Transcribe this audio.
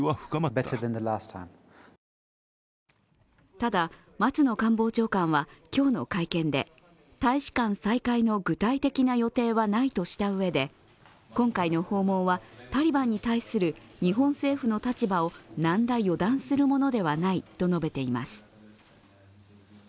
ただ、松野官房長官は、今日の会見で大使館再開の具体的な予定はないとした上で今回の訪問は、タリバンに対する日本政府の立場を何ら予断するものではないとしています。